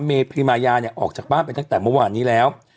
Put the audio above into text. พรีมายาเนี่ยออกจากบ้านไปตั้งแต่เมื่อวานนี้แล้ว